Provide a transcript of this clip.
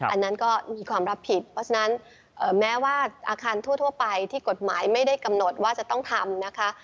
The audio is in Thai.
อันนั้นก็มีความรับผิดเพราะฉะนั้นแม้ว่าอาคารทั่วไปที่กฎหมายไม่ได้กำหนดว่าจะต้องทำนะคะ